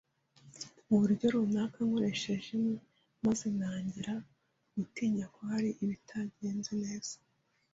mu buryo runaka nkoresheje inkwi, maze ntangira gutinya ko hari ibitagenze neza